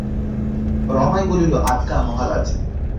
রমাই বলিল, আজ্ঞা, মহারাজ।